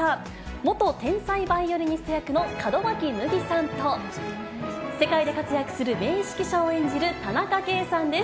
元天才バイオリニスト役の門脇麦さんと、世界で活躍する名指揮者を演じる田中圭さんです。